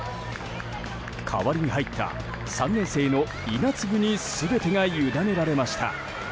代わりに入った３年生の稲次に全てが委ねられました。